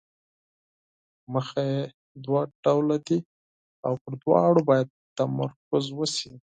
موخې دوه ډوله دي او پر دواړو باید تمرکز وشي.